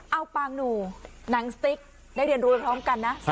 เอาปางหนูหนังสติ๊กได้เรียนรู้ไปพร้อมกันนะ